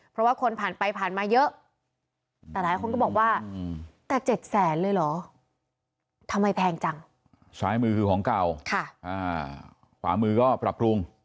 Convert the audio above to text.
ฝามือก็ปรับปรุง